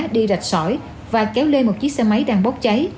đi rạch sỏi và kéo lê một chiếc xe máy đang bóc cháy